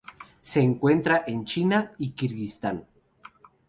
Se encuentra en China y Kirguistán.